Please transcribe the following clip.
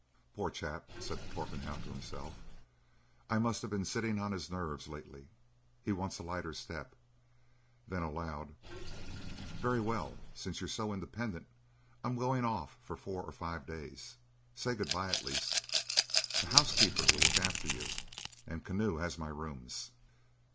"Poor chap!" said Torpenhow to himself. "I must have been sitting on his nerves lately. He wants a lighter step." Then, aloud, "Very well. Since you're so independent, I'm going off for four or five days. Say good bye at least. The housekeeper will look after you, and Keneu has my rooms."